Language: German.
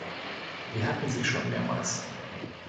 Wir hatten sie schon mehrmals.